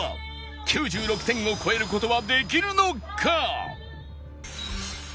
９６点を超える事はできるのか？